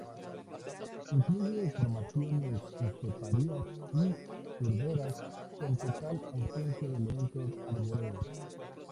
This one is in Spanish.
Incluye formaciones esteparias, y turberas, con total ausencia de elementos arbóreos.